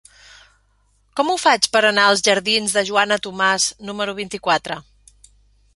Com ho faig per anar als jardins de Joana Tomàs número vint-i-quatre?